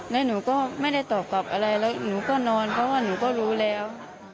แล้วหนูก็ไม่ได้ตอบกลับอะไรแล้วหนูก็นอนเพราะว่าหนูก็รู้แล้ว